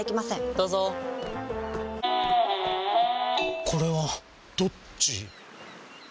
どうぞこれはどっち？